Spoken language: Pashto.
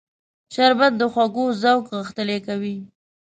شربت د خوږو ذوق غښتلی کوي